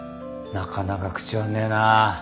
なかなか口割んねえな。